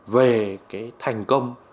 về thành công